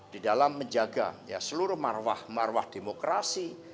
di dalam menjaga seluruh marwah marwah demokrasi